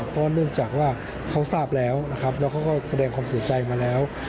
เพราะเนื่องจากว่าเขาทราบแล้วนะครับแล้วเขาก็แสดงความเสียใจมาแล้ว